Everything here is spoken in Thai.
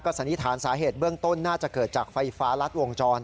สันนิษฐานสาเหตุเบื้องต้นน่าจะเกิดจากไฟฟ้ารัดวงจร